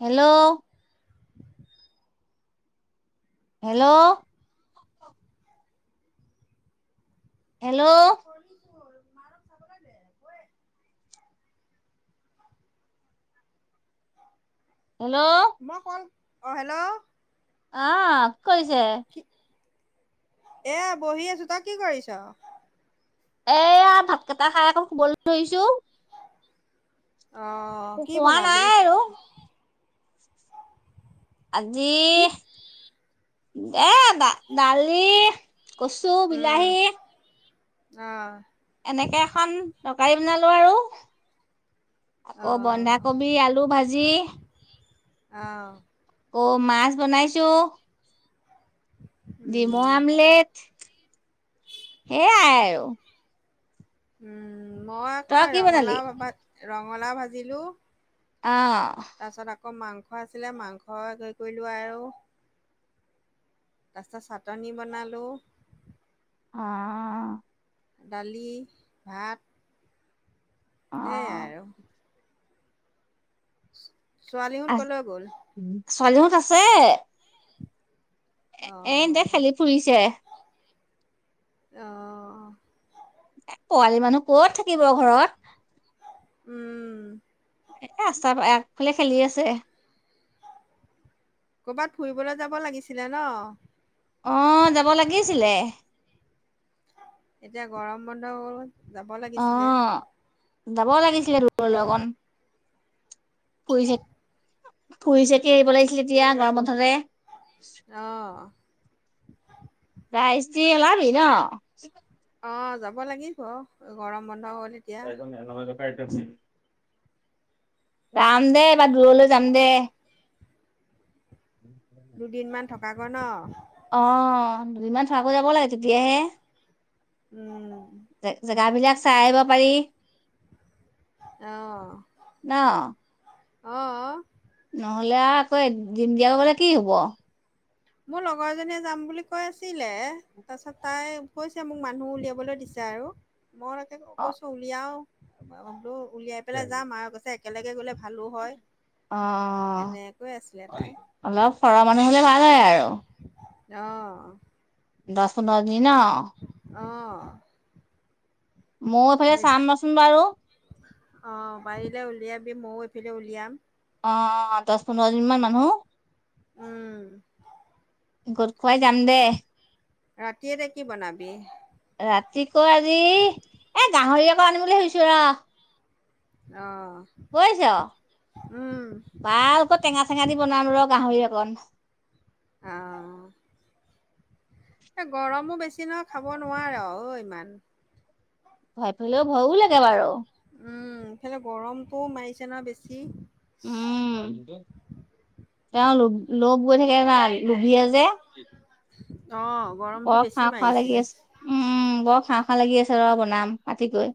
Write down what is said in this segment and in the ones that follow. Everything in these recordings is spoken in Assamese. হেল্ল'। হেল্ল'। হেল্ল'। কৰিছোঁ মাৰক চাবলৈ দে গৈয় আছোঁ। হেল্ল' [unintelligible] মই কল। অহ, হেল্ল'। অহ' কৈছে। এ বহি আছোঁ। তই কি কৰিছ? এয়া ভাত কেইটা খাই আকৌ শুবলৈ ধৰিছোঁ। অ কি কোৱা নাই বনালি আৰু। আজি কি এ দা দালি কছো বিলাহী। অ', এনেকে এখন তৰকাৰী বনালো আৰু আকৌ আহ বন্ধাকবি আলু ভাজি অহ'। অহ' মাছ বনাইছোঁ। উম ডিমো আমলেট সেইয়াই আৰু। উম' মই আকৌ তই কি বনালি ৰঙালাওা, ৰঙালাও ভাজিলো। অহ'। তাৰপিছত আকৌ মাংস আছিলে মাংস [unintelligible] কৰিলো আৰু। তাৰপিছত চাটনি বনালোঁ। অ', দালি ভাত। সেই আৰু। ছোৱালী অ শুন কলৈ গ'ল? ছোৱালীহঁত আছে। অ এনদে খেলি ফুৰিছে। অ', এ পোৱালি মানুহ কত থাকিব ঘৰত। উম, এ ৰাস্তাৰ আগফালে খেলি আছে। কৰ'বাত ফুৰিবলৈ যাব লাগিছিলে ন। অ', যাব লাগিছিলে। এতিয়া গৰম বন্ধ যাব অ লাগিছিলে। যাব লাগিছিলে দূৰৰ লগন ফুৰি চ ফুৰি চকে এৰিব লাগিছিলে এতিয়া গৰম বন্ধতে। অ', ৰাইজ উলাবি ন'। অ', যাব লাগিব গৰম বন্ধ হল। এতিয়া [unintelligible] ৰাম দে এইবা দূৰলৈ যাম দে। দুদিন মান থকাকৈ ন'। অ', দুদিনমান থোকাকৈ যাব লাগে তেতিয়াহে উম, জেগাবিলাক চাই আহিব পাৰি অ', ন অ' অ', নহলে আৰু আকৌ [unintelligible] কি হব। মোৰ লগৰ জনীয়ে যাম বুলি কৈ আছিলে তাৰ পিছত তাই কৈছে মোক মানুহ উলিয়াবলৈ দিছে। আৰু মই তাকে অ কৈছো উলিয়াও উলিয়াই পেলাই যাম আৰু কৈছে একেলগে গ'লে ভালো হয় অ', অ' এনেকৈ আছিলে তাই অলপ সৰা মানুহ হ'লে ভাল হয় আৰু অ', দশ পোন্ধৰ দিন ন'। অ', মই এইফালে চাম নচোন বাৰু। অ', পাৰিলে উলিয়াবি ময়ো এইফালে উলিয়াম। অ', দশ পোন্ধৰ জনি মান মানুহ। উম, গোট খুৱাই যাম দে ৰাতি এতে কি বনাবি ৰাতিকৈ আজি এ গাহৰি আকৌ আনিম বুলি ভাবিছো ৰ অঁ কৈছ ভালকৈ টেঙা চেঙা দি বনাম ৰ গাহৰি অকন অঁ এই গৰমো বেছি নহয় খাব নোৱা ৰ' অ, ইমান। ভয় পেলে ভয়ো লাগে বাৰু। উম, ইফালে গৰমটো মাৰিছে ন' বেছি। উম, তেওঁ লগ গৈ থাকে না লোভীয়া যে। অ' গৰমটো বৰ বেছি খাওঁ খাওঁ মাৰিছে। লাগি আছে উম, বৰ খাওঁ খাওঁ লাগি আছে ৰ বনাম আজি গৈ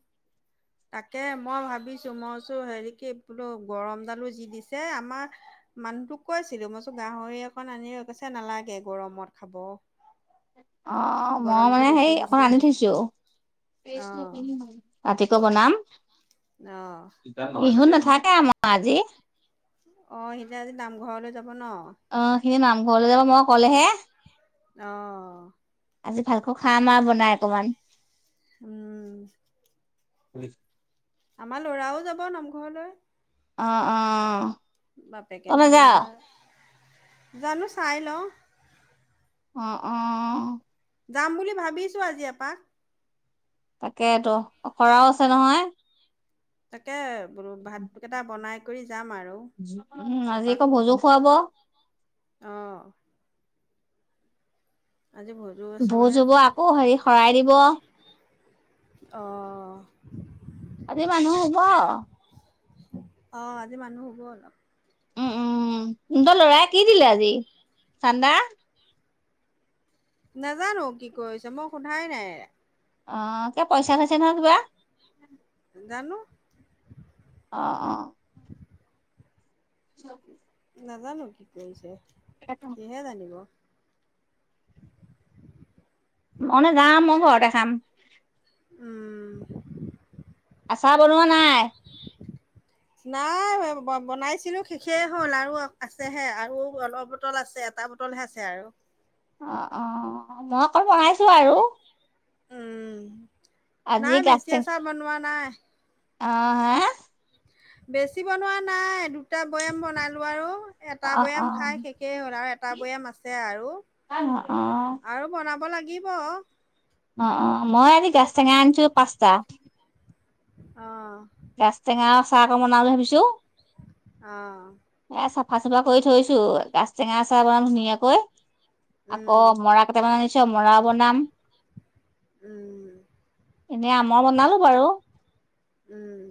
তাকে মই ভাবিছো মইচো হেৰি কি বোলো গৰম দালো যি দিছে আমাৰ মানুহটোক কৈ আছিলো মইছো গাহৰি অকন আনি কৈছে নালাগে গৰমত খাব অঁ মই গৰমটো মানে বেছি সেই অকণ দিছে। আনি থৈছো অ', ৰাতিকৈ বনাম অ'। বিহুত নাথাকে আমাৰ আজি অঁ সিহঁতে আজি নামঘৰলৈ যাব ন অ সিনি নামঘৰলৈ যাব মই ক'লেহে অঁ আজি ভালকৈ খাম আৰু বনাই অকমান উম [unintelligible] আমাৰ লৰাও যাব নামঘৰলৈ অঁ অঁ বাপেকে মইহে আৰু জানো চাই লওঁ অঁ অঁ যাম বুলি ভাবিছো আজি এপাক তাকেতো অখৰাও আছে নহয় তাকে বোলো ভাতকেইটা বনাই কৰি যাম আৰু উম আজি এপাক আকৌ ভোজো খুৱাব অঁ আজি ভোজো আছে বোলে ভোজ হব আকৌ হেৰি শৰাই দিব অঁ আজি মানুহ হ'ব অঁ আজি মানুহ হ'ব অলপ তোহোঁতৰ লৰাই কি দিলে আজি চান্দা নাজানো কি কৰিছে মই সোধাই নাই অঁ কিয় পইচা থৈছে নহয় কিবা? জানো। অঁ অঁ [unintelligible] নাজানো কি কৰিছে সিহে জানিব। ম নাযাওঁ মই ঘৰতে খাম। উম আচাৰ বনোৱা নাই। [inaudible] নাই বনাইছিলো শেষেই হ'ল, আৰু আছেহে আৰু অলপ বটল আছে এটা টা বটলহে আছে আৰু অ, অ, মই অকণ বনাইছো আৰু উম, নাই বেছি আ চাৰ বনোৱা নাই। আহ, হা' বেছি বনোৱা নাই দুটা বৈয়াম বনালোঁ আৰু অ এটা অ বৈয়াম খাই শেষেই হ'ল আৰু এটা বৈয়াম আছে আৰু অ অ আৰু বনাব লাগিব। অঁ অঁ মই আজি গাজ টেঙা আনিছো পাঁচটা। অঁ গাজ টেঙা আচাৰ অকন‌ বনাম বুলি ভাবিছো অঁ চফা চাফা কৰি থৈছো গাজ টেঙা আচাৰ বনাম ধুনীয়াকৈ আকৌ উম মৰা কটা ব আনিছ মৰা বনাম উম এনে আমৰ বনালো বাৰু উম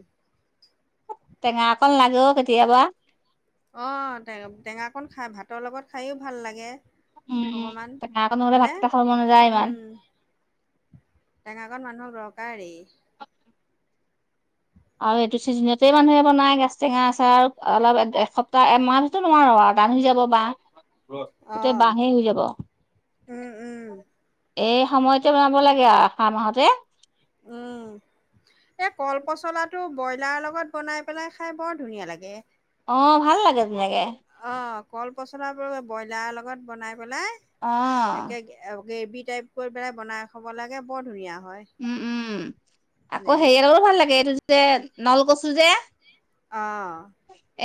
টেঙা অকন লাগে কেতিয়াবা অ, টেঙাকন খাই ভাতৰ লগত খাইয়ো ভাল লাগে। উম, উ, অকণমান টেঙা নহলে হয়নে ভাতকেইটা খাব মনযায় ইমান টেঙাকন মানুহক দৰকাৰেই আৰু এইটো চিজনতেই মানুহে বনাই গাজ টেঙা আচাৰ আৰু অলপ এসপ্তাহ এমাহতো নোৱাৰো আৰু বাঁহ হৈ যাব বাঁহ অ গোটেই বাঁহেই হৈ যাব। উম উম এই সময়তে বনাব লাগে আৰু আৰু অহা মাহতে উম এই কল পচলাটো ব্ৰইলাৰৰ লগত বনাই পেলাই খাই বৰ ধুনীয়া লাগে। অঁ, ভাল লাগে ধুনীয়াকৈ অ, কল পচল বোৰ ব্ৰইলাৰ লগত বনাই পেলাই অ একে গ্ৰেভি টাইপ কৰি পেলাই বনাই খাব লাগে বৰ ধুনীয়া হয়। উম, উম, মানে আকৌ হেৰিয়ো ভাল লাগে এইটো যে নলকচু যে আহ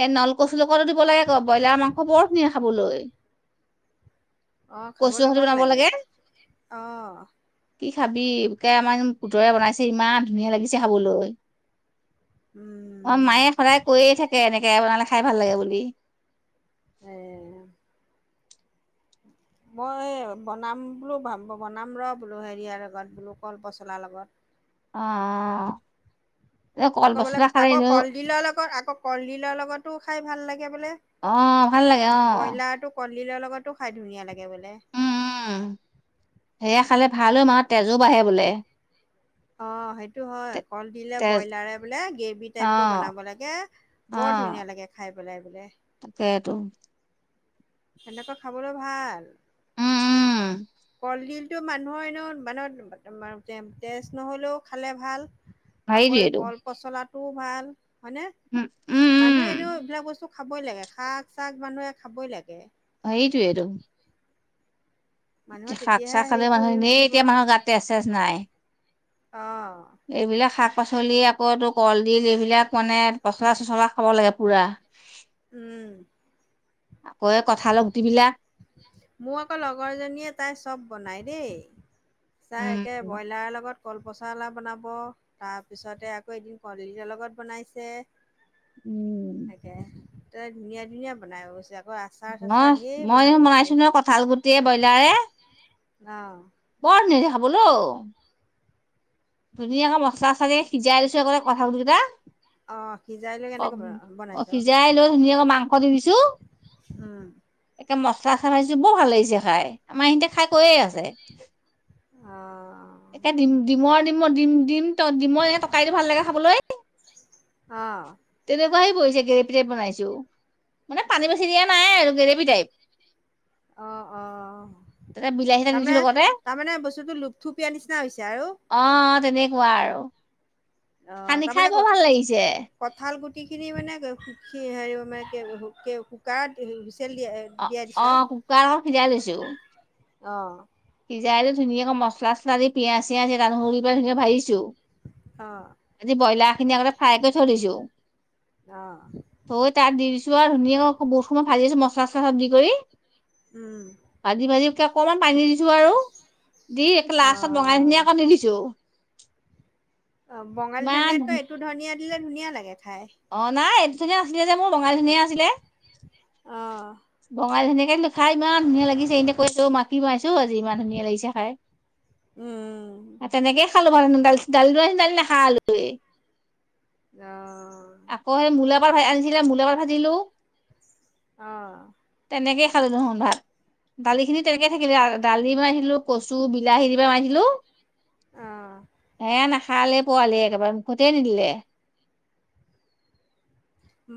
এ নলকচ লগটো দিব লাগে আ ব্ৰইলাৰ মাংস বৰ ধুনীয়া খাবলৈ। আহ, কচু খাবলৈ সতি ভাল বনাব লাগে আহ' কি খাবি, আমাৰ পুতৱে বনাইছে ইমান ধুনীয়া লাগিছে খাবলৈ। অ, উম, মায়ে সদায় কৈয়ে থাকে এনেকে বনালে খাই ভাল লাগে বুলি। এ মই এই বনাম বোলো বনাম ৰ বোলো হেৰিয়াৰ লগত বোলো কলপচলাৰ লগত অ'অ' আকৌ বোলে আকৌ কলডিলৰ লগত আকৌ কলডিলৰ লগতো খাই ভাল লাগে বোলে। অ ভাল লাগে অ দিলৰ লগতো খাই ধুনীয়া লাগে। বোলে উম, উম, সেয়া খালে ভাল ঐ মানুহৰ তেজো বাঢ়ে বোলে। অ সেইটো হয়। তে কল ডিলে তেজ ব্ৰইলাৰে বোলে গ্ৰেভি অ টাইপৰ বনাব লাগে বৰ বৰ ধুনীয়া লাগে খাই পেলাই বোলে। সেইটো সেনেকৈ খাবলৈ ভাল। উম উম কলডিলটো মানুহৰ এনেও মানত মা- তে- তেজ নহ'লেও খালে ভাল। আকৌ এ হেৰিটোৱেটো কল পচলা টোও ভাল। হয়নে? উম, উম, উম। মানুহে এনেও এইবিলাক বস্তু খাবৈ লাগে। শাক-চাক মানুহে খাবৈ লাগে। মানুহৰ যে তেতিয়াহে শাক-চাক খালে হেৰিটো মানুহৰ হেৰি হৈ এনেই থাকিব এতিয়া মানুহৰ গাত তেজ চেজ নাই। অ এইবিলাক শাক পাচলি, আকৌ তোৰ কলডিল এইবিলাক মানে পচলা চচলা খাব লাগে পুৰা। উম আকৌ এই কঁঠালৰ গুটিবিলাক মোৰ আকৌ লগৰ জনীয়ে তাই চব বনায় দেই। তাই একে উম, ব্ৰইলাৰৰ লগত কলপচলাও বনাব। তাৰপিছতে আকৌ এদিন কলডিলৰ লগত বনাইছে। উম, তাকে তাই ধুনীয়া ধুনীয়া বনায় অৱশ্যে আকৌ আচাৰ চাচাৰ নহয় ঢেৰ বনাই মইয়ো থৈছে বনাইছোঁ নহয় কঁঠাল গুটিয়ে ব্ৰইলাৰে। অঁ বৰ ধুনীয়া হৈছে খাবলৈ‌ অ' ধুনীয়াকে মছলা ছচলা দি সিজাই লৈছোঁ একেবাৰে কঠাল গুটিকিটা অঁ সিজাই লৈ অ' কেনেকৈ বন অ' বনাইছ সিজাই লৈ ধুনীয়াকৈ মাংস দি দিছোঁ উম কে মছলা চছলা দিছোঁ বৰ ভাল লাগিছে খাই। আমাৰ ইহঁতে খাই কৈয়ে আছে। অ এ ডিম-ডিমৰ, ডিমৰ, ডিম, ডিম ত-ডমৰে টৰকাৰিটো ভাল লাগে খাবলৈ অ তেনেকুৱাহৈ পৰিছে গ্ৰেভি টাইপ বনাইছো। মানে পানী বেছি দিয়া নাই আৰু গ্ৰেভি টাইপ। অঁ অঁ তাতে বিলাহী এটা তাৰমানে দিছো লগতে তাৰমানে বস্তুটো লোপথুপিয়াৰ নিচিনা হৈছে আৰু। অ তেনেকুৱা আৰু অঁ সানি তাৰমানে খাই বৰ ভাল লাগিছে। কঁঠাল গুটিখিনি মানে অহ হেৰি মানে কে-কু-কে-কুকাৰত উ অঁ অঁ কুকাৰত সিজাই লৈছোঁ। অঁ সিজাই লৈ ধুনীয়াকৈ মচলা ছচলা দি পিঁয়াজ অঁ [unintelligible] খিনি আগতে ফ্ৰাই কৰি থৈ দিছো। অঁ থৈ তাত দি দিছো আৰু ধুনীয়া বৰষুণত ভাজিছো মছা ছচলা দি কৰি উম ভাজি ভাজি একে অকমান পানী দি ছো আৰু দি একে অ লাষ্টত বঙালী ধুনিয়া অকন দি দিছোঁ। অঁ বঙালী ধনিয়াতকৈ এইটো ধনিয়া দিলে ধুনীয়া লাগে। খাই অঁ নাই এইটো ধনীয়া নাছিলে যে মোৰ বঙালী ধনিয়া আছিলে। অঁ কিন্তু খাই ইমান ধুনীয়া লাগিছে। ইহঁতে কৈ আছে, অ মা কি বনাইছ আজি ইমান ধুনীয়া লাগিছে খাই। উম আৰু তেনেকে [unintelligible] অ আকৌ সেই মূলাপাত ভ আনিছিলে মূলাপাত ভাজিলো। অঁ তেনেকে খালোঁ ভাত। দালিখিনি তেনেকে থাকিলে আৰু দালি বনাইছিলোঁ কচু বিলাহী দি পেলাই বনাইছিলোঁ। অ হে নাখালে পোৱালি একেবাৰে মুখতে নিদিলে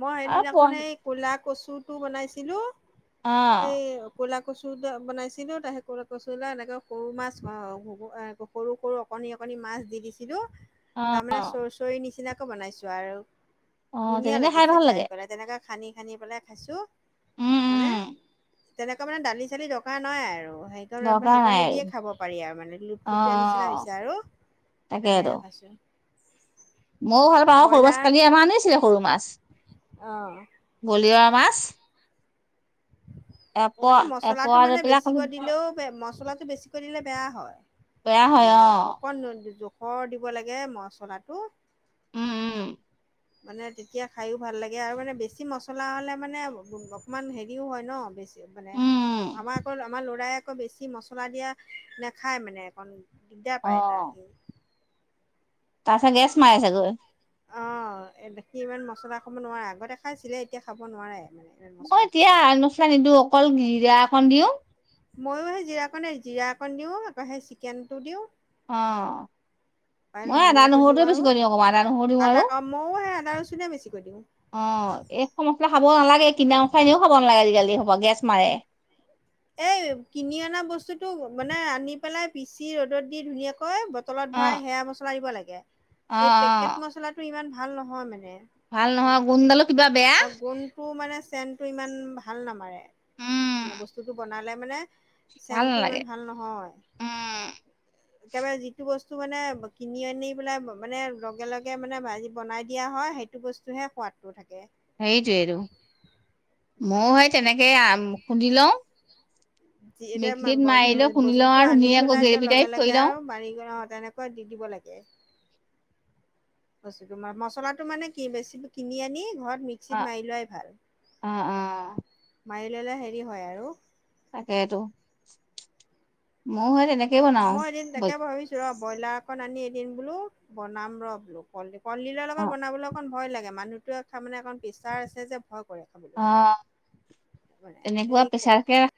মই আৰু সেইদিনাখোন পোৱালি এই কলা কচুটো বনাইছিলো অ এই কলা কচু বনাইছিলো তাৰপিছত কচু এনেকে সৰু মাছ সৰু সৰু অকণি অকণি মাছ দিছিলো তাৰমানে চৰচৰী নিচিনাকৈ বনাইছো আৰু অঁ ধুনীয়া তেনেক খাই পেলাই তেনেকৈ খানি খানি পেলাই খাইছোঁ উম মানে উম তেনেকুৱা মানে দালি চালি দকাৰ নাই আৰু সেইকণ দৰকাৰ নাই আৰু সেইকণেদিয়ে খাব পাৰি আৰু মানে অ লুপথুপীয়া নিচিনা অ হৈছে আৰু তাকেইতো [unintelligible] ময়ো ভাল পাওঁ সৰু মাছ ব্ৰইলাৰ কালি আমাৰ আনিছিলে সৰু মাছ অঁ বলিয়ৰা মাছ এপোৱা আকৌ মছলাটো এপোৱা লৈ মানে পেলাই খালি বেছিকৈ দিলেও মচলা বেছিকৈ দিলে বেয়া হয় বেয়া হয় মানে অ অকন ঘৰ দিব লাগে মচলাটো উম উম মানে তেতিয়া খাইও ভাল লাগে আৰু মানে বেছি মছলা হলে মানে অকমান হেৰিও হয় ন বেছি মানে উম উম আমাৰ আকৌ আমাৰ ল'ৰাই আকৌ বেছি মছলা দিয়া নাখায় মানে অকণ দিগদাৰ অ পায় এটা আহিল তাৰ ওচৰত গেছ নাই চাগৈ অ কি ইমান মছলা খাব নোৱাৰে আগতে খাইছিলে এতিয়া খাব নোৱাৰে মানে ইমান মছলা চছলা। [unintelligible] ময়ো সেই জিৰাকণে জিৰা অকণ দিওঁ আকৌ সেই চিকেনটো দিওঁ অঁ ধনিয়টো দিওঁ আৰু অকমান আদা নহৰু দিওঁ আৰু আদা অ ময়ো সেই আদা ৰচুনে বেছিকৈ দিওঁ অ এই মছলা খাব নালাগে কিনা মছলা এনেও খাব নালাগে আজিকালি চব গেছ মাৰে এই কিনি অনা বস্তুটো মানে আনি পেলাই পিচি ৰ'দত দি ধুনীয়াাকৈ কৈ বটলত অ ভৰাই সেয়া মছলা দিব লাগে অ অ এই পেকেট মচলাটো ইমান ভাল নহয় মানে ভাল নহয় মানে গোন্ডালো [unintelligible] কিবা বেয়া আৰু গোন্ধটো মানে চেনটো ইমান ভাল নামাৰে উম মানে বস্তুতটো বনালে মানে ভাল চেনটো নালাগে ইমান ভাল নহয় উম একেবাৰে যিটো বস্তু বস্তু মানে কিনি আনি পেলাই মানে লগে লগে ভাজি বনাই দিয়া হয় সেইটো বস্তুহে সোৱাদটো থাকে সেইটোৱেইটো ময়ও সেই এতিয়া তেনেকে খুন্দি লওঁ এতিয়া মিক্সিত মাৰি লৈ খুন্দি লওঁ বস্তুতটো আৰু আনি ধুনীয়াকৈ আকৌ পেলাই ত গ্ৰেভি লগে টাইপ কৰি লগে লওঁ। আৰু বাৰী তেনেকৈ দি দিব লাগে। [unintelligible] মছলাটো মানে কি বেছি কিনি আনি ঘৰত মিক্সিত অ', মাৰি লোৱাই ভাল অ', অ', মাৰি ললে হেৰি হয় আৰু তাকেইটো মই সেই তেনেকে মই এদিন তাকে ভাবিছো ৰ ব্ৰইলাৰ অকন আনি এদিন বোলো বনাম ৰ বোলো কল কলডিলৰ লগত অ', বনাবলৈ অকণ ভয় লাগে মানুহটোৱে তাৰ মানে অকণ প্ৰেচাৰ আছে যে ভয় কৰে খাবলৈ অ মানে তেনেকুৱা এই প্ৰেছাৰ কে ৰাখ